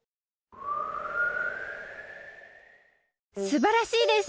すばらしいです！